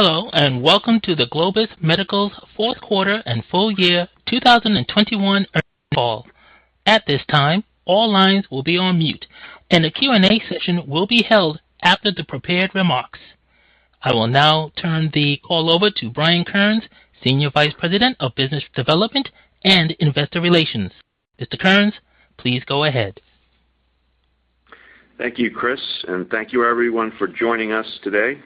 Hello, and welcome to the Globus Medical Fourth Quarter and Full Year 2021 Earnings Call. At this time, all lines will be on mute, and the Q&A session will be held after the prepared remarks. I will now turn the call over to Brian Kearns, Senior Vice President of Business Development and Investor Relations. Mr. Kearns, please go ahead. Thank you, Chris, and thank you everyone for joining us today.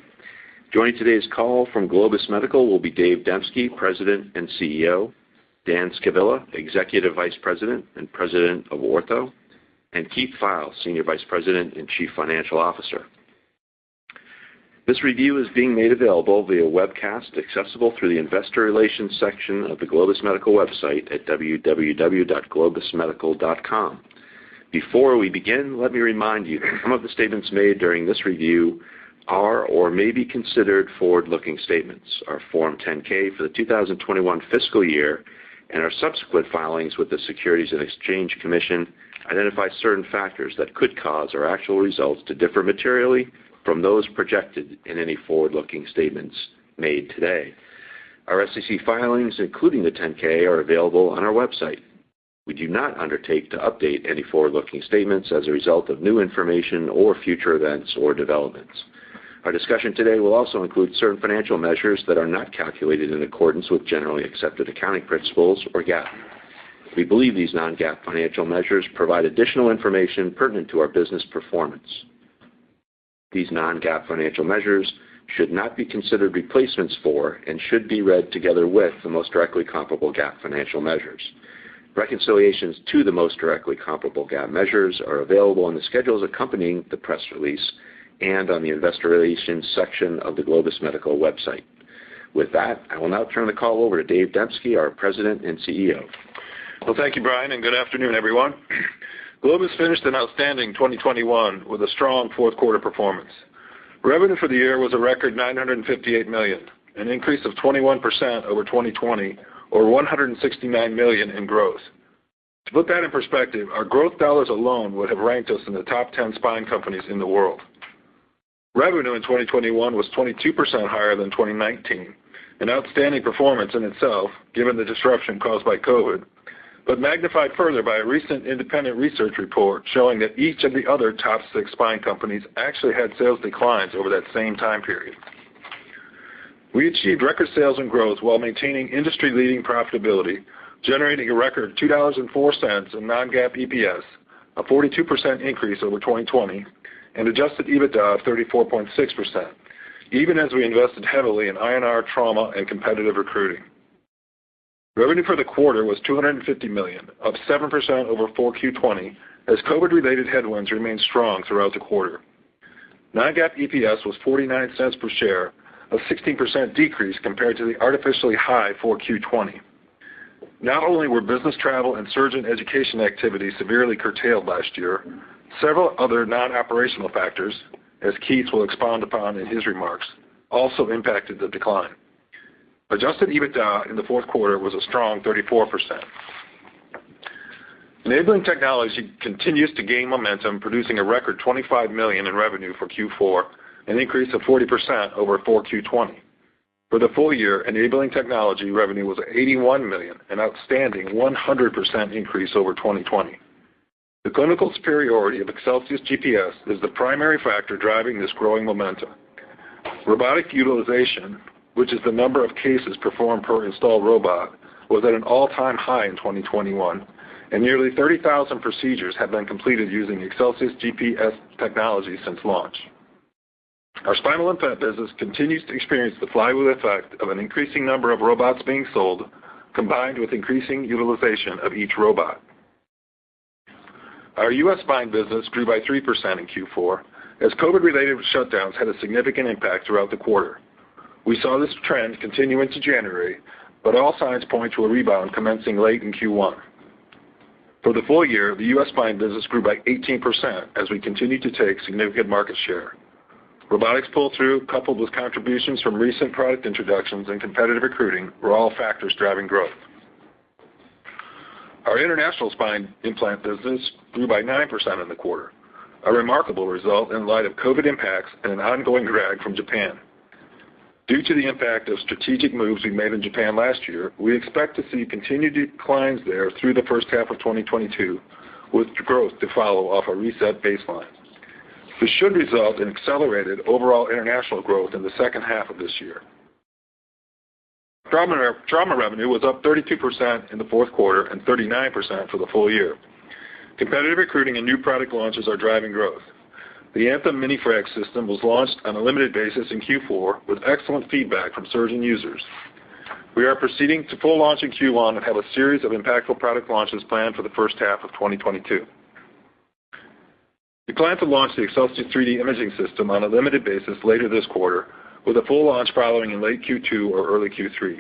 Joining today's call from Globus Medical will be David Demski, President and CEO, Dan Scavilla, Executive Vice President and President of Ortho, and Keith Pfeil, Senior Vice President and Chief Financial Officer. This review is being made available via webcast, accessible through the Investor Relations section of the Globus Medical website at www.globusmedical.com. Before we begin, let me remind you that some of the statements made during this review are or may be considered forward-looking statements. Our Form 10-K for the 2021 fiscal year and our subsequent filings with the Securities and Exchange Commission identify certain factors that could cause our actual results to differ materially from those projected in any forward-looking statements made today. Our SEC filings, including the 10-K, are available on our website. We do not undertake to update any forward-looking statements as a result of new information or future events or developments. Our discussion today will also include certain financial measures that are not calculated in accordance with generally accepted accounting principles or GAAP. We believe these non-GAAP financial measures provide additional information pertinent to our business performance. These non-GAAP financial measures should not be considered replacements for and should be read together with the most directly comparable GAAP financial measures. Reconciliations to the most directly comparable GAAP measures are available on the schedules accompanying the press release and on the Investor Relations section of the Globus Medical website. With that, I will now turn the call over to David Demski, our President and CEO. Well, thank you, Brian, and good afternoon, everyone. Globus finished an outstanding 2021 with a strong fourth quarter performance. Revenue for the year was a record $958 million, an increase of 21% over 2020 or $169 million in growth. To put that in perspective, our growth dollars alone would have ranked us in the top 10 spine companies in the world. Revenue in 2021 was 22% higher than 2019, an outstanding performance in itself, given the disruption caused by COVID, but magnified further by a recent independent research report showing that each of the other top six spine companies actually had sales declines over that same time period. We achieved record sales and growth while maintaining industry-leading profitability, generating a record $2.04 in non-GAAP EPS, a 42% increase over 2020, and Adjusted EBITDA of 34.6%, even as we invested heavily in our trauma and competitive recruiting. Revenue for the quarter was $250 million, up 7% over 4Q 2020 as COVID-related headwinds remained strong throughout the quarter. Non-GAAP EPS was $0.49 per share, a 16% decrease compared to the artificially high 4Q 2020. Not only were business travel and surgeon education activity severely curtailed last year, several other non-operational factors, as Keith will expound upon in his remarks, also impacted the decline. Adjusted EBITDA in the fourth quarter was a strong 34%. Enabling Technologies continues to gain momentum, producing a record $25 million in revenue for Q4, an increase of 40% over 4Q 2020. For the full year, Enabling Technologies revenue was $81 million, an outstanding 100% increase over 2020. The clinical superiority of ExcelsiusGPS is the primary factor driving this growing momentum. Robotic utilization, which is the number of cases performed per installed robot, was at an all-time high in 2021, and nearly 30,000 procedures have been completed using ExcelsiusGPS technology since launch. Our spinal implant business continues to experience the flywheel effect of an increasing number of robots being sold, combined with increasing utilization of each robot. Our U.S. spine business grew by 3% in Q4 as COVID-related shutdowns had a significant impact throughout the quarter. We saw this trend continue into January, but all signs point to a rebound commencing late in Q1. For the full year, the U.S. spine business grew by 18% as we continued to take significant market share. Robotics pull-through, coupled with contributions from recent product introductions and competitive recruiting, were all factors driving growth. Our international spine implant business grew by 9% in the quarter, a remarkable result in light of COVID-19 impacts and an ongoing drag from Japan. Due to the impact of strategic moves we made in Japan last year, we expect to see continued declines there through the first half of 2022, with growth to follow off a reset baseline. This should result in accelerated overall international growth in the second half of this year. Trauma revenue was up 32% in the fourth quarter and 39% for the full year. Competitive recruiting and new product launches are driving growth. The ANTHEM Mini-Frag system was launched on a limited basis in Q4 with excellent feedback from surgeon users. We are proceeding to full launch in Q1 and have a series of impactful product launches planned for the first half of 2022. We plan to launch the Excelsius3D imaging system on a limited basis later this quarter, with a full launch following in late Q2 or early Q3.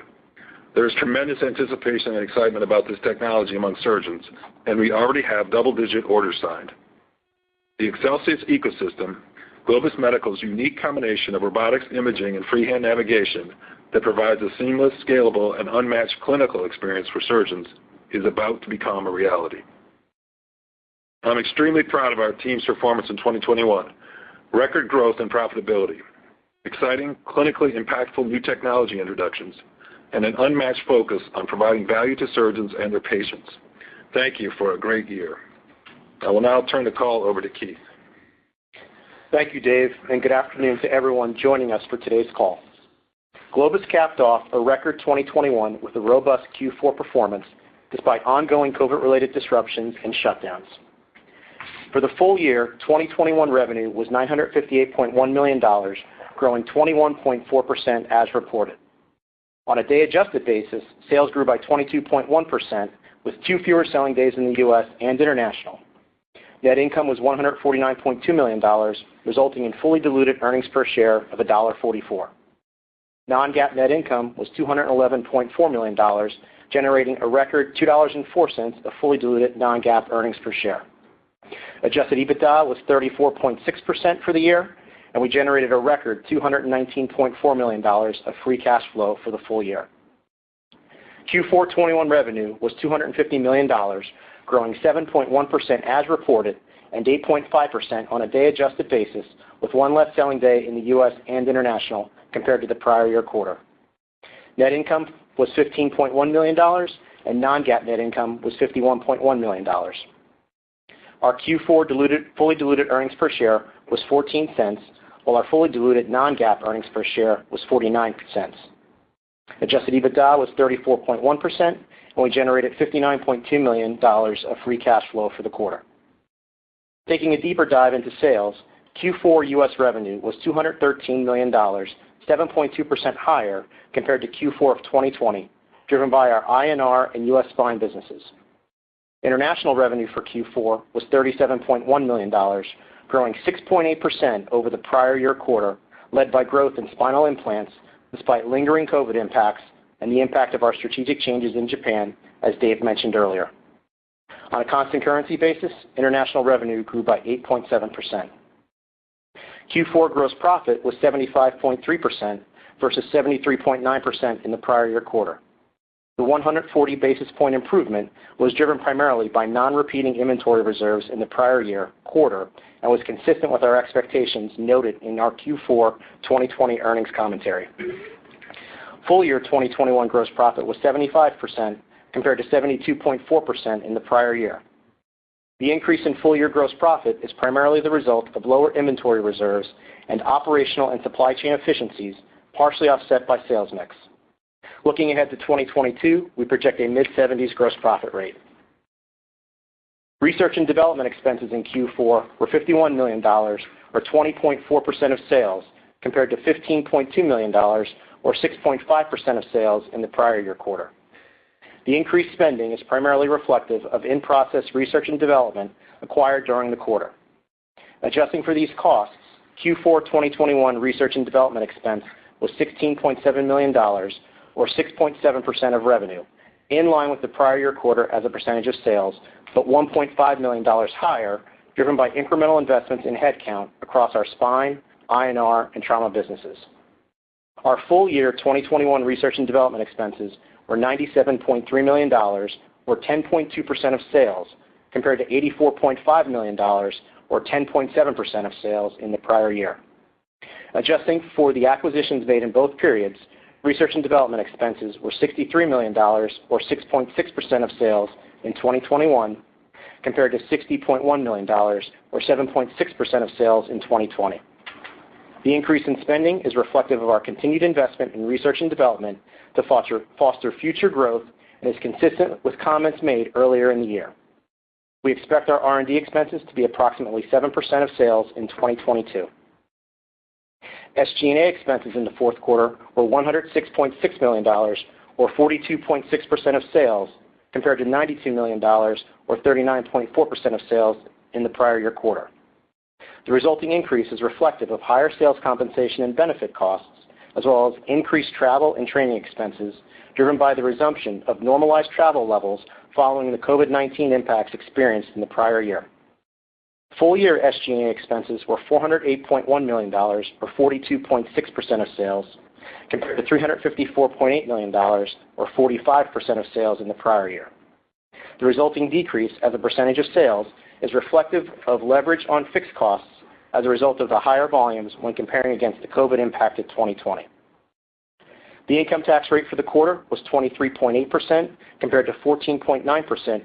There is tremendous anticipation and excitement about this technology among surgeons, and we already have double-digit orders signed. The Excelsius ecosystem, Globus Medical's unique combination of robotics, imaging, and freehand navigation that provides a seamless, scalable, and unmatched clinical experience for surgeons, is about to become a reality. I'm extremely proud of our team's performance in 2021. Record growth and profitability, exciting, clinically impactful new technology introductions, and an unmatched focus on providing value to surgeons and their patients. Thank you for a great year. I will now turn the call over to Keith. Thank you, Dave, and good afternoon to everyone joining us for today's call. Globus capped off a record 2021 with a robust Q4 performance despite ongoing COVID-related disruptions and shutdowns. For the full year 2021 revenue was $958.1 million, growing 21.4% as reported. On a day-adjusted basis, sales grew by 22.1% with two fewer selling days in the U.S. and International. Net income was $149.2 million, resulting in fully diluted earnings per share of $1.44. Non-GAAP net income was $211.4 million, generating a record $2.04 of fully diluted non-GAAP earnings per share. Adjusted EBITDA was 34.6% for the year, and we generated a record $219.4 million of free cash flow for the full year. Q4 2021 revenue was $250 million, growing 7.1% as reported and 8.5% on a day-adjusted basis, with one less selling day in the U.S. and International compared to the prior year quarter. Net income was $15.1 million, and non-GAAP net income was $51.1 million. Our Q4 fully diluted earnings per share was $0.14, while our fully diluted non-GAAP earnings per share was $0.49. Adjusted EBITDA was 34.1%, and we generated $59.2 million of free cash flow for the quarter. Taking a deeper dive into sales, Q4 U.S. revenue was $213 million, 7.2% higher compared to Q4 of 2020, driven by our INR and U.S. spine businesses. International revenue for Q4 was $37.1 million, growing 6.8% over the prior year quarter, led by growth in spinal implants despite lingering COVID impacts and the impact of our strategic changes in Japan, as Dave mentioned earlier. On a constant currency basis, international revenue grew by 8.7%. Q4 gross profit was 75.3% versus 73.9% in the prior year quarter. The 140 basis point improvement was driven primarily by non-recurring inventory reserves in the prior year quarter and was consistent with our expectations noted in our Q4 2020 earnings commentary. Full year 2021 gross profit was 75% compared to 72.4% in the prior year. The increase in full year gross profit is primarily the result of lower inventory reserves and operational and supply chain efficiencies, partially offset by sales mix. Looking ahead to 2022, we project a mid-70s gross profit rate. Research and development expenses in Q4 were $51 million, or 20.4% of sales, compared to $15.2 million or 6.5% of sales in the prior year quarter. The increased spending is primarily reflective of in-process research and development acquired during the quarter. Adjusting for these costs, Q4 2021 research and development expense was $16.7 million or 6.7% of revenue, in line with the prior year quarter as a percentage of sales, but $1.5 million higher, driven by incremental investments in headcount across our spine, INR, and trauma businesses. Our full year 2021 research and development expenses were $97.3 million or 10.2% of sales, compared to $84.5 million or 10.7% of sales in the prior year. Adjusting for the acquisitions made in both periods, Research and Development expenses were $63 million or 6.6% of sales in 2021, compared to $60.1 million or 7.6% of sales in 2020. The increase in spending is reflective of our continued investment in Research and Development to foster future growth and is consistent with comments made earlier in the year. We expect our R&D expenses to be approximately 7% of sales in 2022. SG&A expenses in the fourth quarter were $106.6 million or 42.6% of sales, compared to $92 million or 39.4% of sales in the prior year quarter. The resulting increase is reflective of higher sales compensation and benefit costs, as well as increased travel and training expenses driven by the resumption of normalized travel levels following the COVID-19 impacts experienced in the prior year. Full year SG&A expenses were $408.1 million or 42.6% of sales, compared to $354.8 million or 45% of sales in the prior year. The resulting decrease as a percentage of sales is reflective of leverage on fixed costs as a result of the higher volumes when comparing against the COVID impact of 2020. The income tax rate for the quarter was 23.8% compared to 14.9%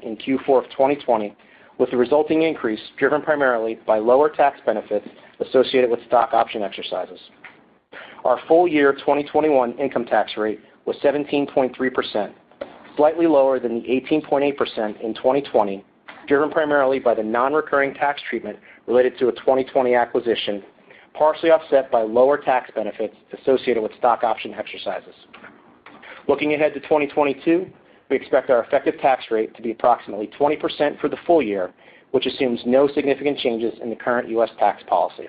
in Q4 of 2020, with the resulting increase driven primarily by lower tax benefits associated with stock option exercises. Our full year 2021 income tax rate was 17.3%, slightly lower than the 18.8% in 2020, driven primarily by the non-recurring tax treatment related to a 2020 acquisition, partially offset by lower tax benefits associated with stock option exercises. Looking ahead to 2022, we expect our effective tax rate to be approximately 20% for the full year, which assumes no significant changes in the current U.S. tax policy.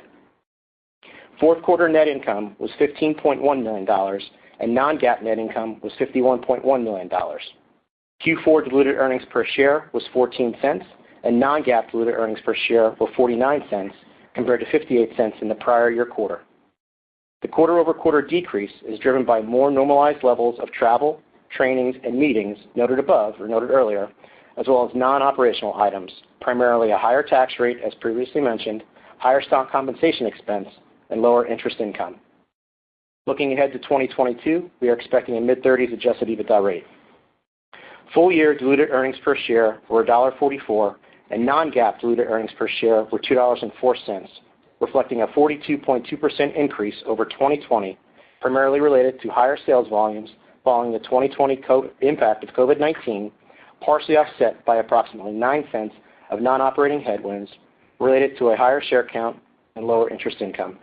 Fourth quarter net income was $15.1 million, and non-GAAP net income was $51.1 million. Q4 diluted earnings per share was $0.14 and non-GAAP diluted earnings per share were $0.49 compared to $0.58 in the prior year quarter. The quarter-over-quarter decrease is driven by more normalized levels of travel, trainings, and meetings noted above or noted earlier, as well as non-operational items, primarily a higher tax rate as previously mentioned, higher stock compensation expense, and lower interest income. Looking ahead to 2022, we are expecting a mid-30s% Adjusted EBITDA rate. Full year diluted earnings per share were $1.44, and non-GAAP diluted earnings per share were $2.04, reflecting a 42.2% increase over 2020, primarily related to higher sales volumes following the 2020 COVID-19 impact, partially offset by approximately $0.09 of non-operating headwinds related to a higher share count and lower interest income.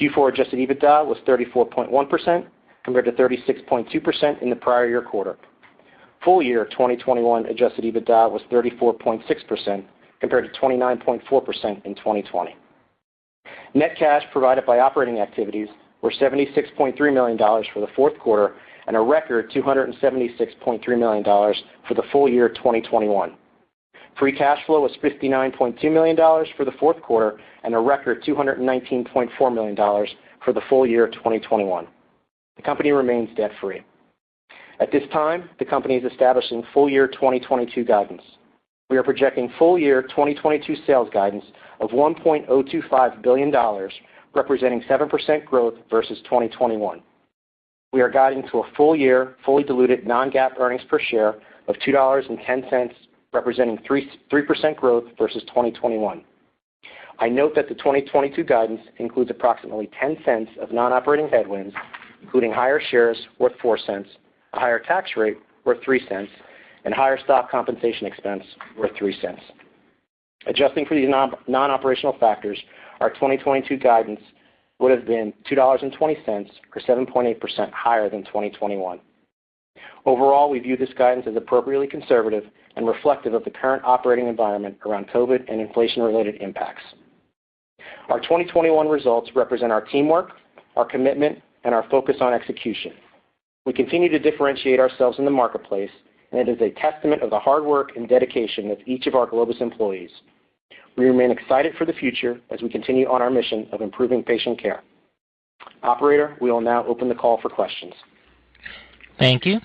Q4 Adjusted EBITDA was 34.1% compared to 36.2% in the prior year quarter. Full year 2021 Adjusted EBITDA was 34.6% compared to 29.4% in 2020. Net cash provided by operating activities were $76.3 million for the fourth quarter and a record $276.3 million for the full year 2021. Free cash flow was $59.2 million for the fourth quarter and a record $219.4 million for the full year 2021. The company remains debt-free. At this time, the company is establishing full year 2022 guidance. We are projecting full year 2022 sales guidance of $1.025 billion, representing 7% growth versus 2021. We are guiding to a full year fully diluted non-GAAP earnings per share of $2.10, representing 3.3% growth versus 2021. I note that the 2022 guidance includes approximately $0.10 of non-operating headwinds, including higher shares worth $0.04, a higher tax rate worth $0.03, and higher stock compensation expense worth $0.03. Adjusting for these non-operational factors, our 2022 guidance would have been $2.20 or 7.8% higher than 2021. Overall, we view this guidance as appropriately conservative and reflective of the current operating environment around COVID-19 and inflation-related impacts. Our 2021 results represent our teamwork, our commitment, and our focus on execution. We continue to differentiate ourselves in the marketplace, and it is a testament of the hard work and dedication of each of our Globus employees. We remain excited for the future as we continue on our mission of improving patient care. Operator, we will now open the call for questions. Thank you.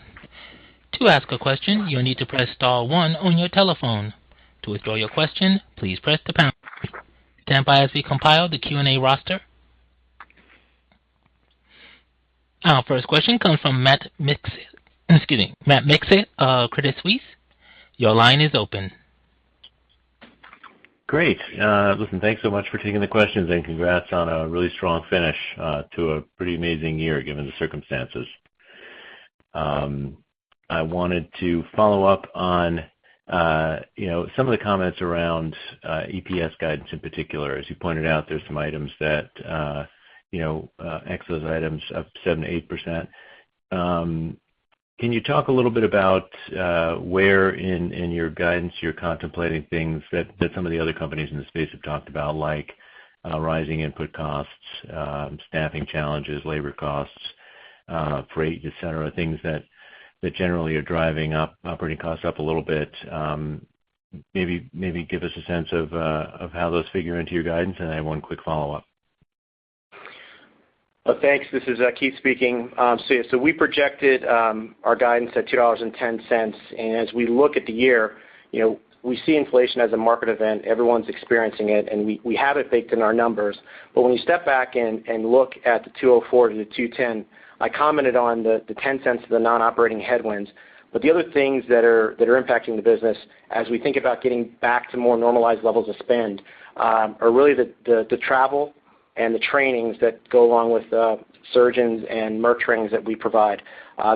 To ask a question, you'll need to press star one on your telephone. To withdraw your question, please press the pound. Stand by as we compile the Q&A roster. Our first question comes from Matt Miksic of Credit Suisse. Your line is open. Great. Listen, thanks so much for taking the questions and congrats on a really strong finish to a pretty amazing year given the circumstances. I wanted to follow up on, you know, some of the comments around EPS guidance in particular. As you pointed out, there's some items that, you know, ex those items up 7%-8%. Can you talk a little bit about where in your guidance you're contemplating things that some of the other companies in the space have talked about, like rising input costs, staffing challenges, labor costs, freight, et cetera, things that generally are driving up operating costs a little bit? Maybe give us a sense of how those figure into your guidance, and I have one quick follow-up. Thanks. This is Keith speaking. We projected our guidance at $2.10. As we look at the year, you know, we see inflation as a market event. Everyone's experiencing it, and we have it baked in our numbers. When we step back and look at the $2.04 to the $2.10, I commented on the $0.10 of the non-operating headwinds. The other things that are impacting the business as we think about getting back to more normalized levels of spend are really the travel and the trainings that go along with the surgeons and their trainings that we provide.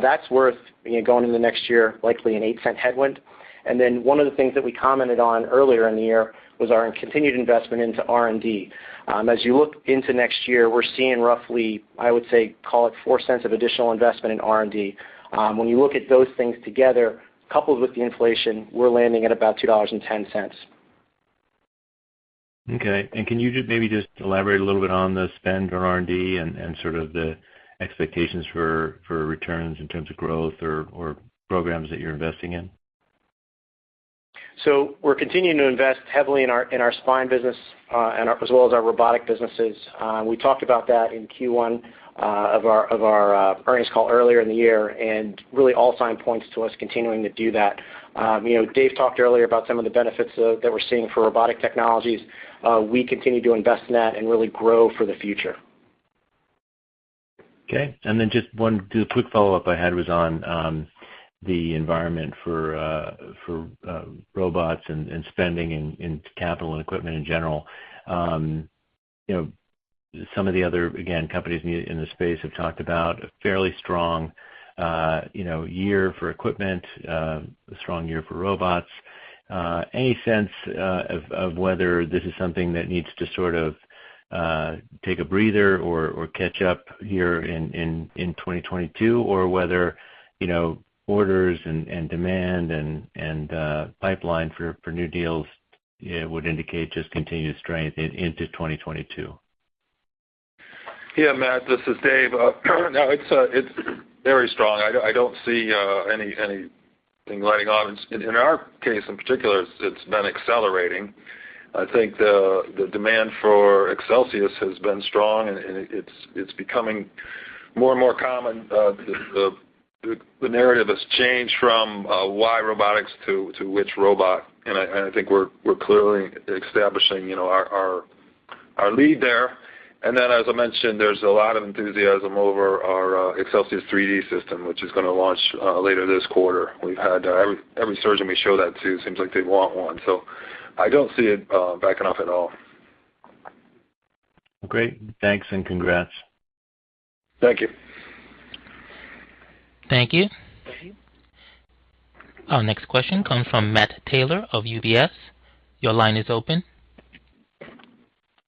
That's worth, you know, going into next year, likely an $0.08 headwind. One of the things that we commented on earlier in the year was our continued investment into R&D. As you look into next year, we're seeing roughly, I would say, call it $0.04 of additional investment in R&D. When you look at those things together, coupled with the inflation, we're landing at about $2.10. Okay. Can you just maybe elaborate a little bit on the spend on R&D and sort of the expectations for returns in terms of growth or programs that you're investing in? We're continuing to invest heavily in our spine business as well as our robotic businesses. We talked about that in Q1 of our earnings call earlier in the year. Really all signs point to us continuing to do that. You know, David talked earlier about some of the benefits that we're seeing for robotic technologies. We continue to invest in that and really grow for the future. Okay. Just one quick follow-up I had was on the environment for robots and spending in capital and equipment in general. You know, some of the other, again, companies in the space have talked about a fairly strong year for equipment, a strong year for robots. Any sense of whether this is something that needs to sort of take a breather or catch up here in 2022 or whether you know, orders and demand and pipeline for new deals you know, would indicate just continued strength into 2022? Yeah, Matt, this is Dave. No, it's very strong. I don't see any letting off. In our case, in particular, it's been accelerating. I think the demand for Excelsius has been strong and it's becoming more and more common. The narrative has changed from why robotics to which robot? I think we're clearly establishing you know our lead there. As I mentioned, there's a lot of enthusiasm over our Excelsius3D system, which is gonna launch later this quarter. We've had every surgeon we show that to seems like they want one. I don't see it backing off at all. Great. Thanks and congrats. Thank you. Thank you. Our next question comes from Matt Taylor of UBS. Your line is open.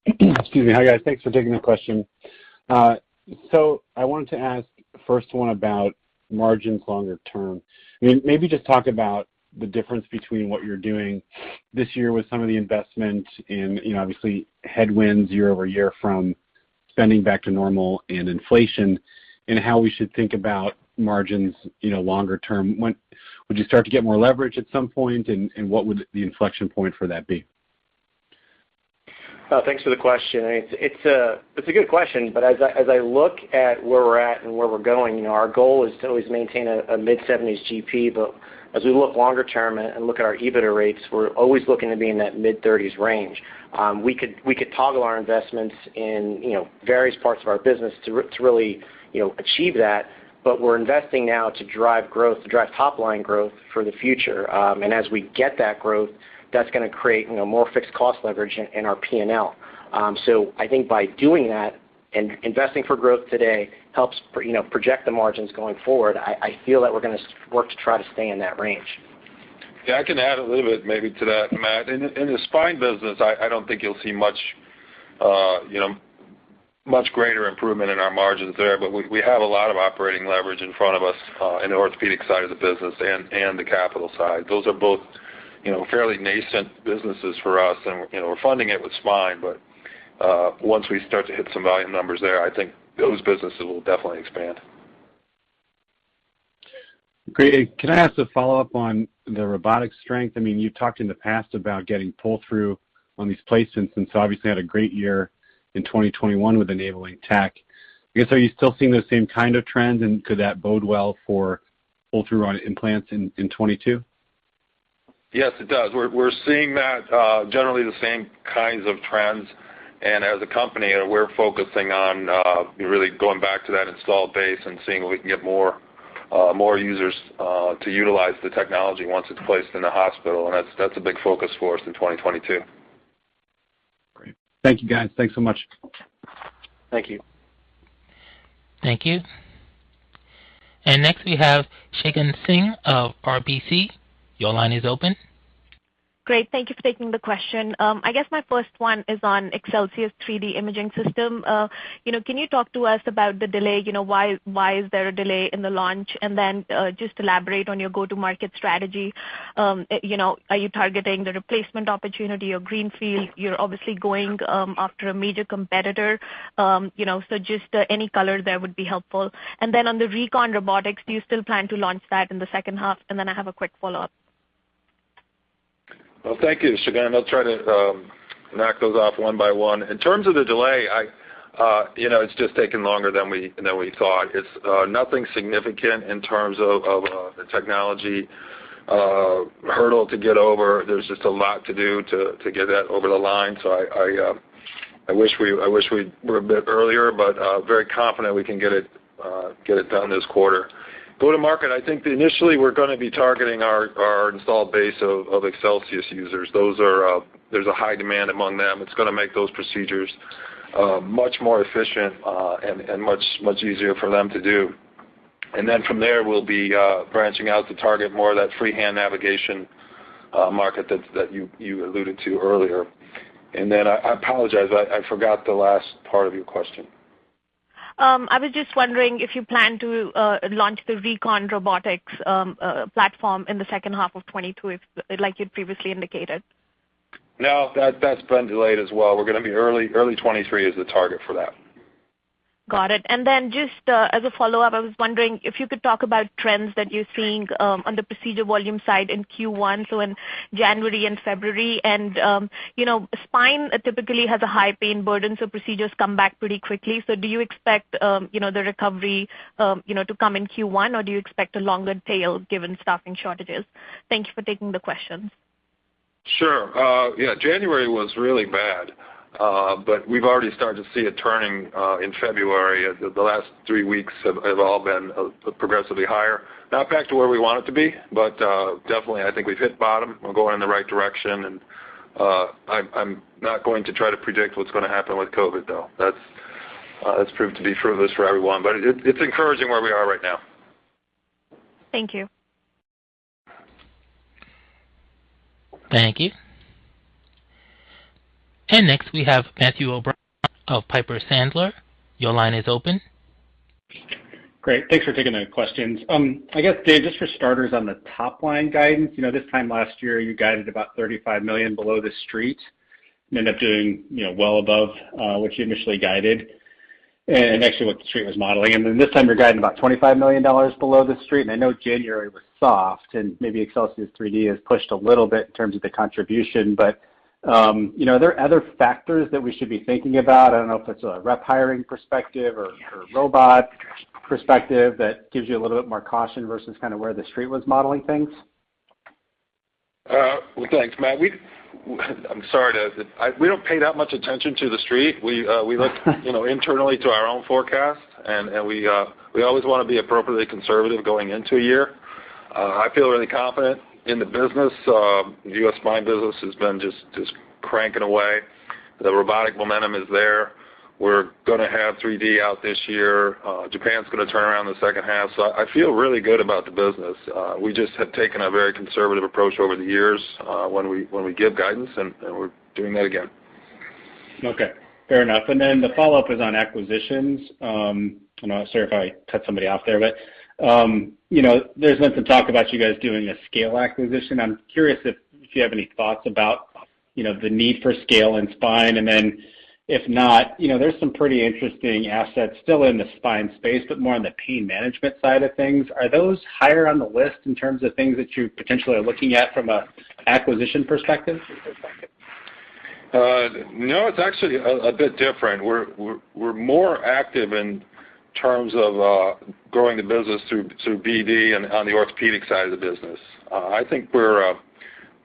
Excuse me. Hi, guys. Thanks for taking the question. So I wanted to ask the first one about margins longer term. I mean, maybe just talk about the difference between what you're doing this year with some of the investment and, you know, obviously headwinds year-over-year from spending back to normal and inflation and how we should think about margins, you know, longer term. When would you start to get more leverage at some point, and what would the inflection point for that be? Thanks for the question. It's a good question. As I look at where we're at and where we're going, you know, our goal is to always maintain a mid-70s GP. As we look longer term and look at our EBITDA rates, we're always looking to be in that mid-30s range. We could toggle our investments in, you know, various parts of our business to really, you know, achieve that. We're investing now to drive growth, to drive top line growth for the future. As we get that growth, that's gonna create, you know, more fixed cost leverage in our P&L. I think by doing that and investing for growth today helps project the margins going forward. I feel that we're gonna work to try to stay in that range. Yeah, I can add a little bit maybe to that, Matt. In the spine business, I don't think you'll see much, you know, much greater improvement in our margins there. But we have a lot of operating leverage in front of us, in the orthopedic side of the business and the capital side. Those are both, you know, fairly nascent businesses for us, and you know, we're funding it with spine. But once we start to hit some volume numbers there, I think those businesses will definitely expand. Great. Can I ask a follow-up on the robotic strength? I mean, you talked in the past about getting pull-through on these placements, and so obviously had a great year in 2021 with Enabling Tech. I guess, are you still seeing those same kind of trends, and could that bode well for pull-through on implants in 2022? Yes, it does. We're seeing that generally the same kinds of trends. As a company, we're focusing on really going back to that installed base and seeing if we can get more users to utilize the technology once it's placed in the hospital. That's a big focus for us in 2022. Great. Thank you, guys. Thanks so much. Thank you. Thank you. Next, we have Shagun Singh of RBC. Your line is open. Great. Thank you for taking the question. I guess my first one is on Excelsius3D imaging system. You know, can you talk to us about the delay? You know, why is there a delay in the launch? Then, just elaborate on your go-to-market strategy. You know, are you targeting the replacement opportunity or greenfield? You're obviously going after a major competitor, you know. Just any color there would be helpful. Then on the Recon Robotics, do you still plan to launch that in the second half? I have a quick follow-up. Well, thank you, Shagun. I'll try to knock those off one by one. In terms of the delay, you know, it's just taken longer than we thought. It's nothing significant in terms of the technology hurdle to get over. There's just a lot to do to get that over the line. I wish we were a bit earlier, but very confident we can get it done this quarter. Go-to-market, I think initially we're gonna be targeting our installed base of Excelsius users. There's a high demand among them. It's gonna make those procedures much more efficient and much easier for them to do. From there, we'll be branching out to target more of that freehand navigation market that you alluded to earlier. I apologize, I forgot the last part of your question. I was just wondering if you plan to launch the Recon Robotics platform in the second half of 2022 if, like you'd previously indicated. No. That, that's been delayed as well. We're gonna be early 2023 is the target for that. Got it. Just as a follow-up, I was wondering if you could talk about trends that you're seeing on the procedure volume side in Q1, so in January and February. You know, spine typically has a high pain burden, so procedures come back pretty quickly. Do you expect you know, the recovery you know, to come in Q1 or do you expect a longer tail given staffing shortages? Thank you for taking the questions. Sure. Yeah, January was really bad, but we've already started to see it turning in February. The last three weeks have all been progressively higher. Not back to where we want it to be, but definitely I think we've hit bottom. We're going in the right direction and I'm not going to try to predict what's gonna happen with COVID, though. That's proved to be fruitless for everyone. It's encouraging where we are right now. Thank you. Thank you. Next, we have Matthew O'Brien of Piper Sandler. Your line is open. Great. Thanks for taking the questions. I guess, Dave, just for starters on the top line guidance. You know, this time last year you guided about $35 million below the street and ended up doing, you know, well above what you initially guided. Actually what the street was modeling. Then this time you're guiding about $25 million below the street. I know January was soft, and maybe Excelsius3D has pushed a little bit in terms of the contribution. You know, are there other factors that we should be thinking about? I don't know if it's a rep hiring perspective or robot perspective that gives you a little bit more caution versus kind of where the street was modeling things. Thanks, Matt. I'm sorry, Dave. We don't pay that much attention to the street. We look, you know, internally to our own forecast, and we always wanna be appropriately conservative going into a year. I feel really confident in the business. The U.S. spine business has been just cranking away. The robotic momentum is there. We're gonna have 3D out this year. Japan's gonna turn around in the second half. I feel really good about the business. We just have taken a very conservative approach over the years, when we give guidance, and we're doing that again. Okay. Fair enough. The follow-up is on acquisitions. I'm sorry if I cut somebody off there, but, you know, there's been some talk about you guys doing a scale acquisition. I'm curious if you have any thoughts about, you know, the need for scale in spine. If not, you know, there's some pretty interesting assets still in the spine space, but more on the pain management side of things. Are those higher on the list in terms of things that you potentially are looking at from an acquisition perspective? No, it's actually a bit different. We're more active in terms of growing the business through BD and on the orthopedic side of the business. I think we're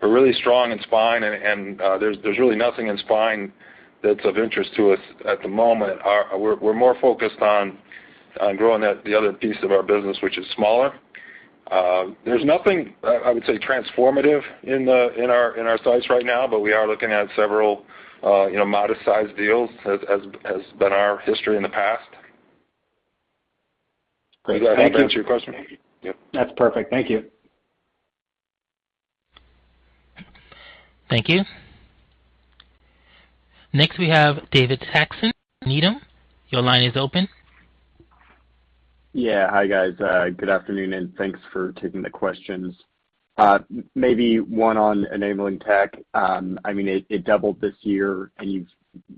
really strong in spine and there's really nothing in spine that's of interest to us at the moment. We're more focused on growing the other piece of our business which is smaller. There's nothing I would say transformative in our sights right now, but we are looking at several you know modest-sized deals as has been our history in the past. Great. Thank you. Does that answer your question? Yep. That's perfect. Thank you. Thank you. Next, we have David Saxon, Needham. Your line is open. Hi, guys. Good afternoon, and thanks for taking the questions. Maybe one on Enabling tech. I mean, it doubled this year, and you've,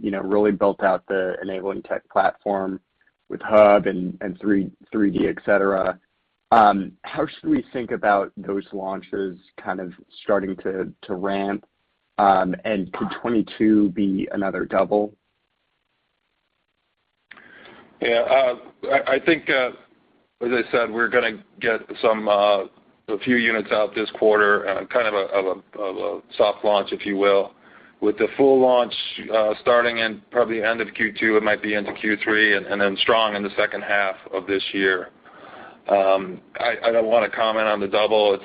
you know, really built out the Enabling tech platform with ExcelsiusHub and Excelsius3D, et cetera. How should we think about those launches kind of starting to ramp? And could 2022 be another double? Yeah. I think, as I said, we're gonna get some a few units out this quarter, kind of a soft launch, if you will. With the full launch, starting in probably end of Q2, it might be into Q3, then strong in the second half of this year. I don't wanna comment on the double.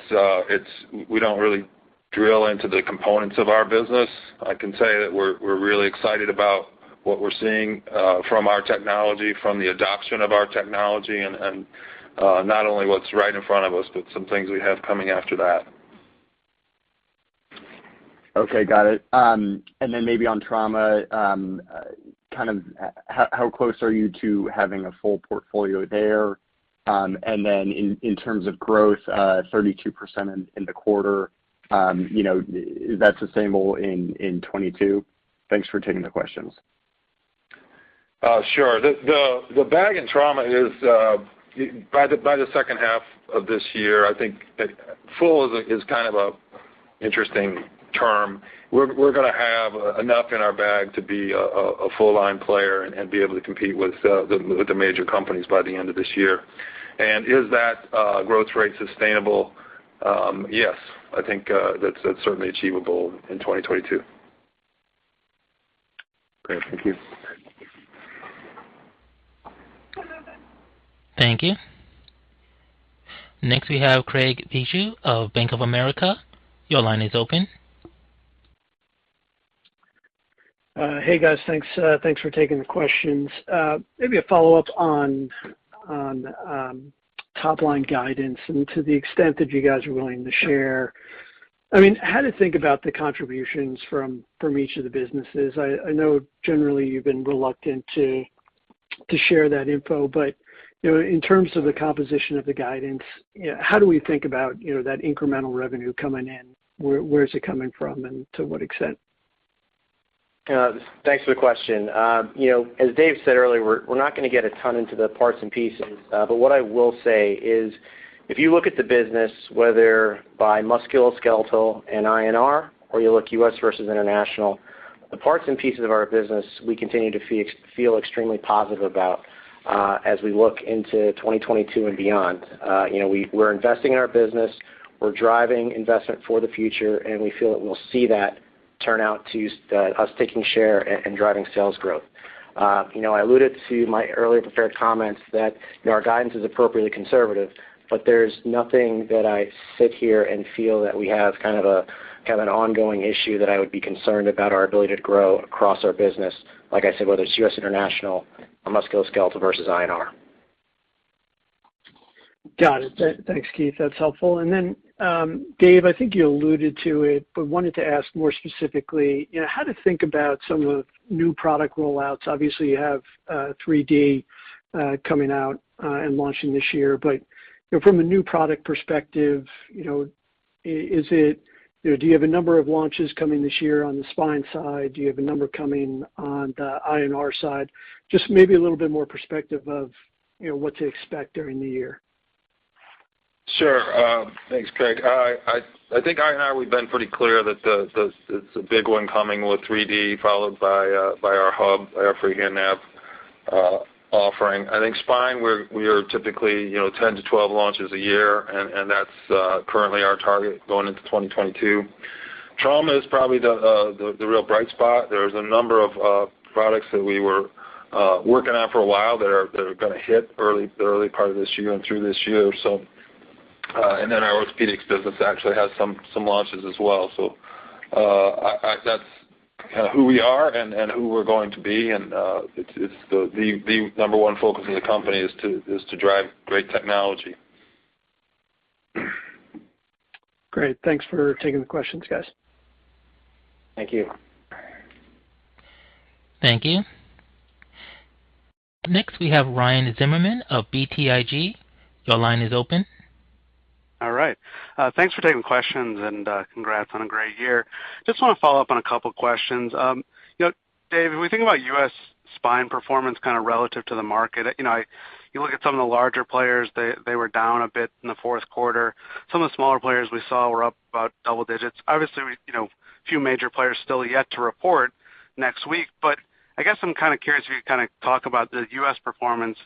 We don't really drill into the components of our business. I can say that we're really excited about what we're seeing from our technology, from the adoption of our technology and not only what's right in front of us, but some things we have coming after that. Okay, got it. Maybe on trauma, kind of how close are you to having a full portfolio there? In terms of growth, 32% in the quarter, you know, is that sustainable in 2022? Thanks for taking the questions. Sure. The bag in trauma is by the second half of this year. I think full is kind of an interesting term. We're gonna have enough in our bag to be a full line player and be able to compete with the major companies by the end of this year. Is that growth rate sustainable? Yes. I think that's certainly achievable in 2022. Great. Thank you. Thank you. Next, we have Craig Bijou of Bank of America. Your line is open. Hey, guys. Thanks for taking the questions. Maybe a follow-up on top line guidance and to the extent that you guys are willing to share. I mean, how to think about the contributions from each of the businesses. I know generally you've been reluctant to share that info. You know, in terms of the composition of the guidance, you know, how do we think about that incremental revenue coming in? Where is it coming from and to what extent? Thanks for the question. You know, as Dave said earlier, we're not gonna get a ton into the parts and pieces. But what I will say is, if you look at the business, whether by musculoskeletal and INR or you look U.S. versus International, the parts and pieces of our business we continue to feel extremely positive about, as we look into 2022 and beyond. You know, we're investing in our business. We're driving investment for the future, and we feel that we'll see that turn out to us taking share and driving sales growth. You know, I alluded to my earlier prepared comments that, you know, our guidance is appropriately conservative, but there's nothing that I sit here and feel that we have kind of an ongoing issue that I would be concerned about our ability to grow across our business, like I said, whether it's U.S., International or musculoskeletal versus INR. Got it. Thanks, Keith. That's helpful. Then, Dave, I think you alluded to it, but wanted to ask more specifically, you know, how to think about some of new product roll-outs. Obviously, you have Excelsius3D coming out and launching this year. But, you know, from a new product perspective, you know, is it. You know, do you have a number of launches coming this year on the spine side? Do you have a number coming on the INR side? Just maybe a little bit more perspective of, you know, what to expect during the year. Sure. Thanks, Craig. I think INR, we've been pretty clear that it's a big one coming with 3D followed by our hub, our free nav offering. I think spine, we are typically, you know, 10-12 launches a year, and that's currently our target going into 2022. Trauma is probably the real bright spot. There's a number of products that we were working on for a while that are gonna hit the early part of this year and through this year. Our orthopedics business actually has some launches as well. That's who we are and who we're going to be. It's the number one focus of the company to drive great technology. Great. Thanks for taking the questions, guys. Thank you. Thank you. Next, we have Ryan Zimmerman of BTIG. Your line is open. All right. Thanks for taking questions, and congrats on a great year. Just wanna follow up on a couple questions. You know, Dave, when we think about U.S. spine performance kind of relative to the market, you know, you look at some of the larger players, they were down a bit in the fourth quarter. Some of the smaller players we saw were up about double digits. Obviously, you know, few major players still yet to report next week. I guess I'm kind of curious if you can kind of talk about the U.S. performance,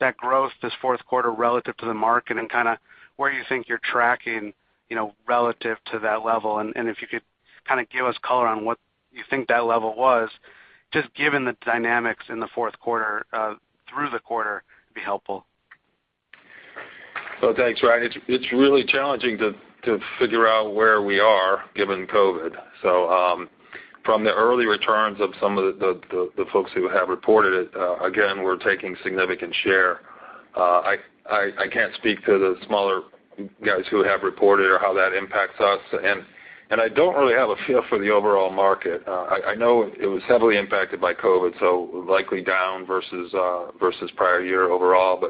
that growth this fourth quarter relative to the market and kind of where you think you're tracking, you know, relative to that level. If you could kind of give us color on what you think that level was, just given the dynamics in the fourth quarter through the quarter, it'd be helpful. Thanks, Ryan. It's really challenging to figure out where we are given COVID. From the early returns of some of the folks who have reported it, again, we're taking significant share. I can't speak to the smaller guys who have reported or how that impacts us. I don't really have a feel for the overall market. I know it was heavily impacted by COVID, so likely down versus prior year overall.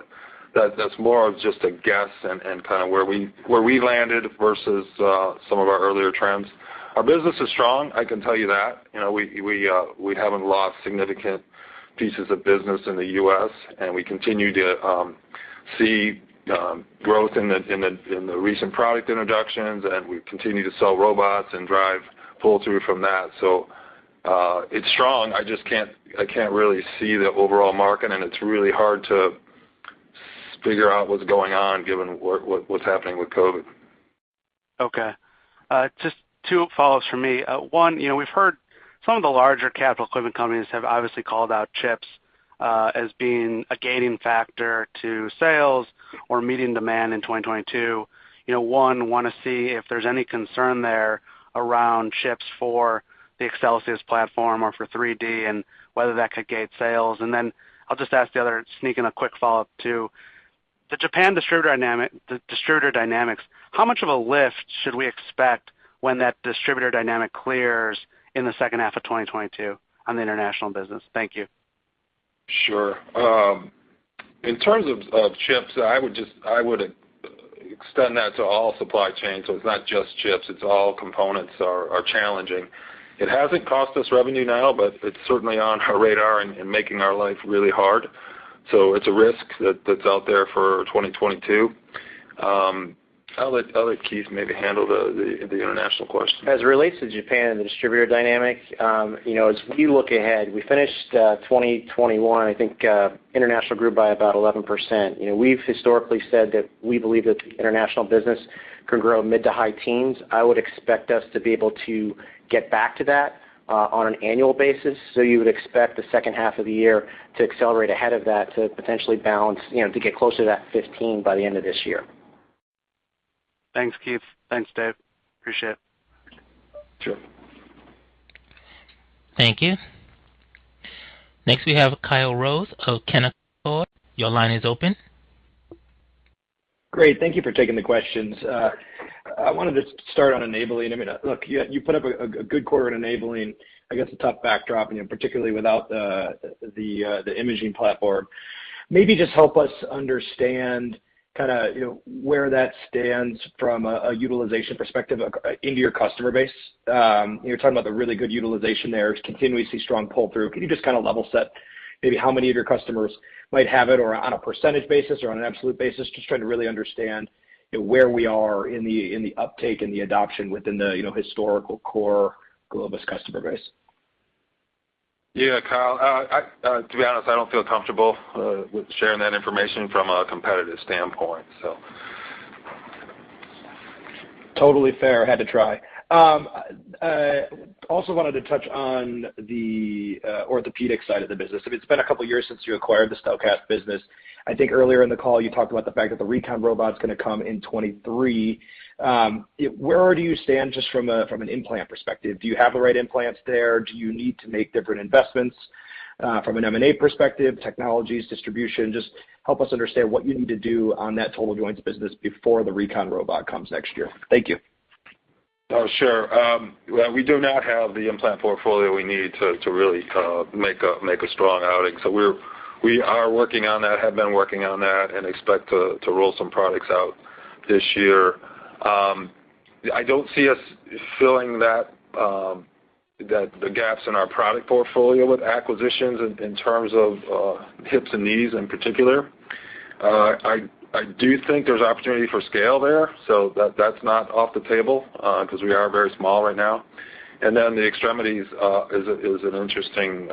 That's more of just a guess and kind of where we landed versus some of our earlier trends. Our business is strong, I can tell you that. You know, we haven't lost significant pieces of business in the U.S., and we continue to see growth in the recent product introductions, and we continue to sell robots and drive pull-through from that. It's strong. I just can't really see the overall market, and it's really hard to figure out what's going on given what's happening with COVID. Okay. Just two follows from me. One, you know, we've heard some of the larger capital equipment companies have obviously called out chips as being a gating factor to sales or meeting demand in 2022. You know, one, wanna see if there's any concern there around chips for the Excelsius platform or for 3D and whether that could gate sales. Then I'll just ask the other, sneak in a quick follow-up to the Japan distributor dynamics. How much of a lift should we expect when that distributor dynamic clears in the second half of 2022 on the international business? Thank you. Sure. In terms of chips, I would extend that to all supply chain, so it's not just chips, it's all components are challenging. It hasn't cost us revenue now, but it's certainly on our radar and making our life really hard. It's a risk that's out there for 2022. I'll let Keith maybe handle the international question. As it relates to Japan and the distributor dynamic, you know, as we look ahead, we finished 2021, I think, International grew by about 11%. You know, we've historically said that we believe that the international business can grow mid- to high-teens. I would expect us to be able to get back to that on an annual basis. You would expect the second half of the year to accelerate ahead of that to potentially balance, you know, to get closer to that 15% by the end of this year. Thanks, Keith. Thanks, Dave. Appreciate it. Sure. Thank you. Next, we have Kyle Rose of Canaccord Genuity. Great. Thank you for taking my questions. I wanted to start on Enabling. You put up a good quarter on Enabling, I guess, a tough backdrop, in particular without the imaging platform. Maybe just help us understand kind of where that stands from a utilization perspective of maybe your customer base. You're talking about a really good utilization there, continuously strong pull-through. Just kind of level set maybe how many of your customers might have it, or on a percentage basis, to try to really understand where we are in the uptake and the adoption within the historical core Global customer base. Yeah, Kyle, to be honest, I don't feel comfortable with sharing that information from a competitive standpoint, so. Totally fair. Had to try. Also wanted to touch on the orthopedic side of the business. I mean, it's been a couple of years since you acquired the Stelkast business. I think earlier in the call you talked about the fact that the Recon robot's gonna come in 2023. Where do you stand just from an implant perspective? Do you have the right implants there? Do you need to make different investments from an M&A perspective, technologies, distribution? Just help us understand what you need to do on that total joints business before the Recon robot comes next year. Thank you. Oh, sure. Well, we do not have the implant portfolio we need to really make a strong outing. We are working on that, have been working on that and expect to roll some products out this year. I don't see us filling that the gaps in our product portfolio with acquisitions in terms of hips and knees in particular. I do think there's opportunity for scale there, so that's not off the table because we are very small right now. The extremities is an interesting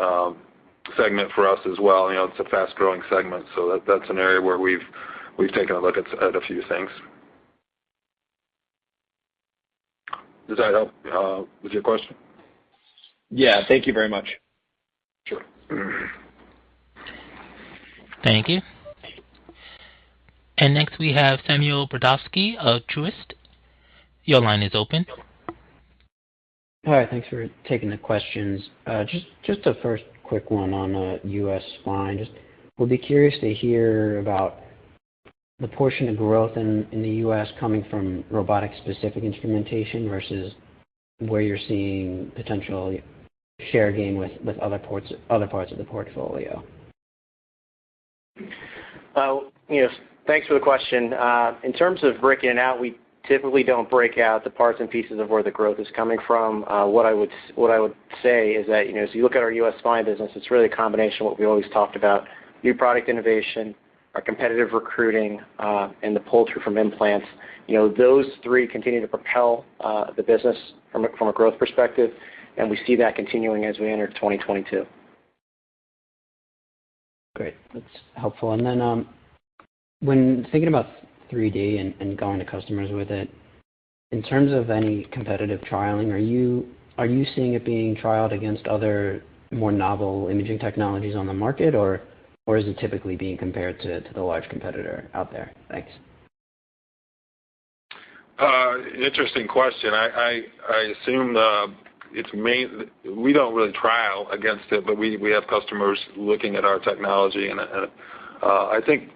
segment for us as well. You know, it's a fast-growing segment, so that's an area where we've taken a look at a few things. Does that help with your question? Yeah. Thank you very much. Sure. Thank you. Next, we have Samuel Brodovsky of Truist. Your line is open. Hi. Thanks for taking the questions. Just a first quick one on U.S. Spine. Just would be curious to hear about the portion of growth in the U.S. coming from robotic-specific instrumentation versus where you're seeing potential share gain with other parts of the portfolio. You know, thanks for the question. In terms of breaking it out, we typically don't break out the parts and pieces of where the growth is coming from. What I would say is that, you know, as you look at our U.S. Spine business, it's really a combination of what we always talked about, new product innovation, our competitive recruiting, and the pull-through from implants. You know, those three continue to propel the business from a growth perspective, and we see that continuing as we enter 2022. Great. That's helpful. Then, when thinking about 3D and going to customers with it, in terms of any competitive trialing, are you seeing it being trialed against other more novel imaging technologies on the market, or is it typically being compared to the large competitor out there? Thanks. Interesting question. I assume we don't really trial against it, but we have customers looking at our technology, and I think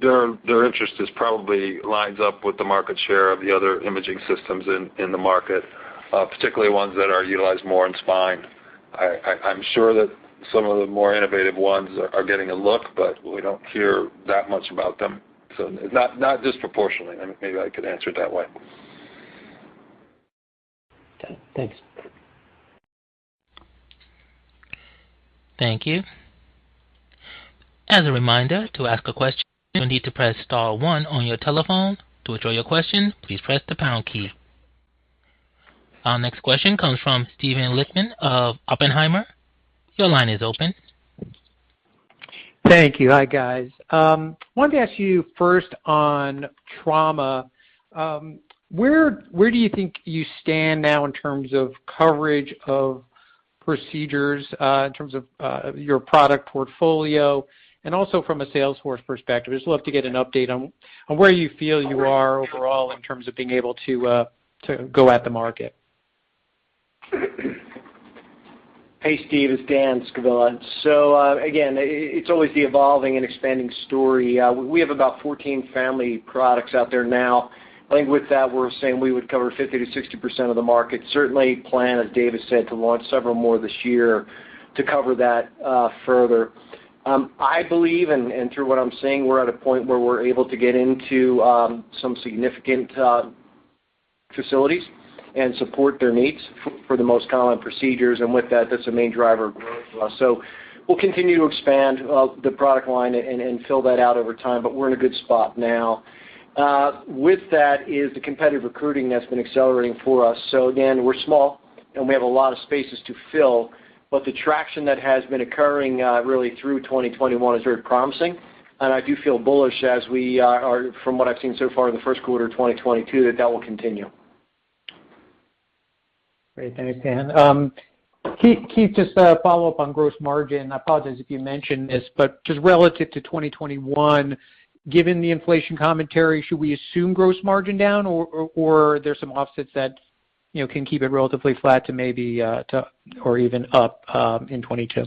their interest probably lines up with the market share of the other imaging systems in the market, particularly ones that are utilized more in Spine. I'm sure that some of the more innovative ones are getting a look, but we don't hear that much about them. Not disproportionately. I mean, maybe I could answer it that way. Okay, thanks. Thank you. As a reminder, to ask a question, you'll need to press star one on your telephone. To withdraw your question, please press the pound key. Our next question comes from Steven Lichtman of Oppenheimer. Your line is open. Thank you. Hi, guys. Wanted to ask you first on trauma, where do you think you stand now in terms of coverage of procedures, in terms of your product portfolio and also from a sales force perspective? I just love to get an update on where you feel you are overall in terms of being able to go at the market. Hey, Steve. It's Dan Scavilla. Again, it's always the evolving and expanding story. We have about 14 family products out there now. I think with that, we're saying we would cover 50%-60% of the market. We certainly plan, as Dave has said, to launch several more this year to cover that further. I believe and through what I'm seeing, we're at a point where we're able to get into some significant facilities and support their needs for the most common procedures. With that's the main driver of growth for us. We'll continue to expand the product line and fill that out over time, but we're in a good spot now. With that is the competitive recruiting that's been accelerating for us. Again, we're small, and we have a lot of spaces to fill, but the traction that has been occurring really through 2021 is very promising. I do feel bullish as we are, from what I've seen so far in the first quarter of 2022, that will continue. Great. Thanks, Dan. Keith, just a follow-up on gross margin. I apologize if you mentioned this, but just relative to 2021, given the inflation commentary, should we assume gross margin down or are there some offsets that, you know, can keep it relatively flat to maybe two or even up in 2022?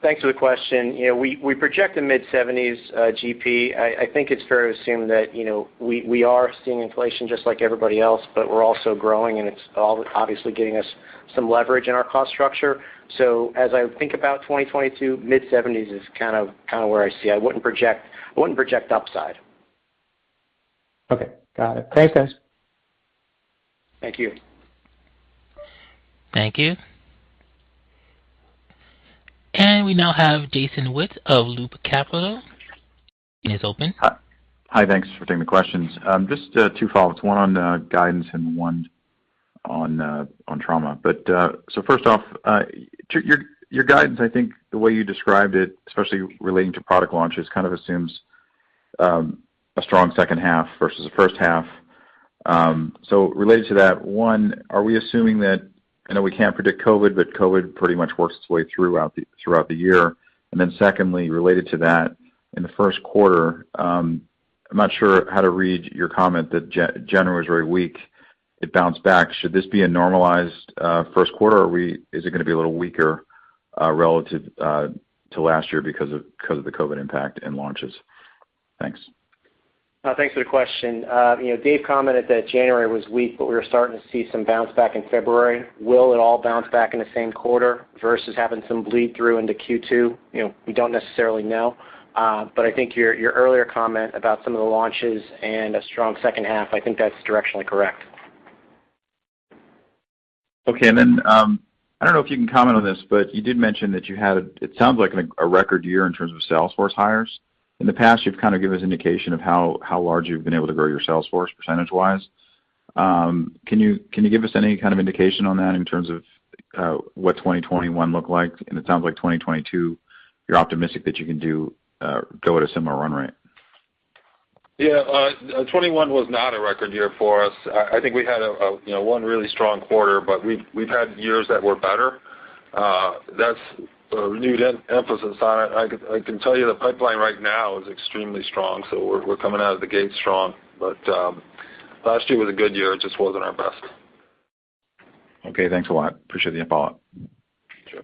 Thanks for the question. You know, we project a mid-70s GP. I think it's fair to assume that, you know, we are seeing inflation just like everybody else, but we're also growing, and it's all obviously getting us some leverage in our cost structure. As I think about 2022, mid-70s is kind of where I see. I wouldn't project upside. Okay. Got it. Thanks, guys. Thank you. Thank you. We now have Jason Wittes of Loop Capital. The line is open. Hi. Hi. Thanks for taking the questions. Just two follow-ups, one on guidance and one on trauma. First off, to your guidance, I think the way you described it, especially relating to product launches, kind of assumes a strong second half versus the first half. Related to that, one, are we assuming that, I know we can't predict COVID, but COVID pretty much works its way throughout the year. Then secondly, related to that, in the first quarter, I'm not sure how to read your comment that January was very weak, it bounced back. Should this be a normalized first quarter, or is it gonna be a little weaker relative to last year because of the COVID impact and launches? Thanks. Thanks for the question. You know, Dave commented that January was weak, but we were starting to see some bounce back in February. Will it all bounce back in the same quarter versus having some bleed through into Q2? You know, we don't necessarily know. But I think your earlier comment about some of the launches and a strong second half, I think that's directionally correct. Okay. Then I don't know if you can comment on this, but you did mention that you had it sounds like a record year in terms of sales force hires. In the past, you've kind of given us indication of how large you've been able to grow your sales force percentage-wise. Can you give us any kind of indication on that in terms of what 2021 looked like? It sounds like 2022, you're optimistic that you can go at a similar run rate. Yeah. 2021 was not a record year for us. I think we had a you know one really strong quarter, but we've had years that were better. That's a renewed emphasis on it. I can tell you the pipeline right now is extremely strong, so we're coming out of the gate strong. Last year was a good year. It just wasn't our best. Okay. Thanks a lot. Appreciate the follow-up. Sure.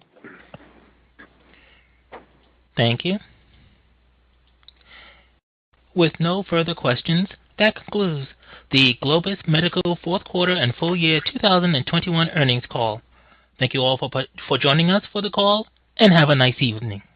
Thank you. With no further questions, that concludes the Globus Medical fourth quarter and full year 2021 earnings call. Thank you all for joining us for the call, and have a nice evening.